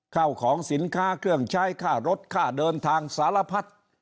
ข้าวของสินค้าเครื่องใช้ค่ารถค่าเดินทางสารพัด